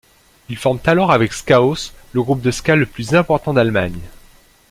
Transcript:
Ils forment alors avec Skaos, le groupe de ska le plus important d'Allemagne.